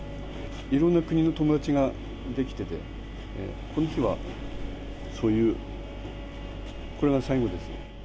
いろんな国の友達が出来てて、この日は、そういう、これが最後です。